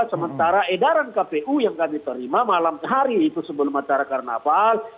sementara edaran kpu yang kami terima malam hari itu sebelum acara karnaval